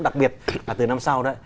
đặc biệt là từ năm sau đó